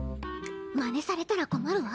まねされたら困るわ。